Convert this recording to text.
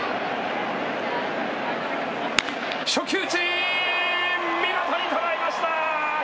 初球打ち、見事に捉えました。